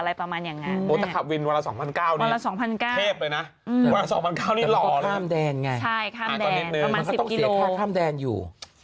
ใช้ข้ามแดงแต่มันก็ต้องเสียค่าข้ามแดงอยู่